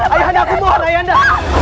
ayah anda aku mohon ayah anda